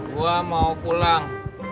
gue mau pulang